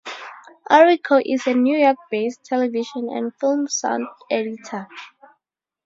Orrico is a New York based television and film sound editor.